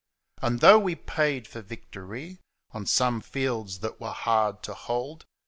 And though we paid for victory On some fields that were hard to hold.